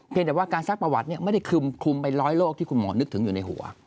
แต่ว่าการซักประวัติไม่ได้คลุมไปร้อยโรคที่คุณหมอนึกถึงอยู่ในหัว